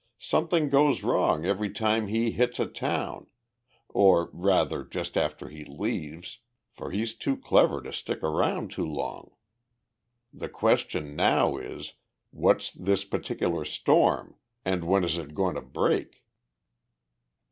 Something goes wrong every time he hits a town or, rather, just after he leaves, for he's too clever to stick around too long. The question now is, What's this particular storm and when is it goin' to break?"